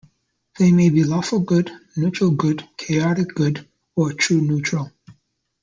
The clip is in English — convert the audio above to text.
They may be lawful good, neutral good, chaotic good, or true neutral.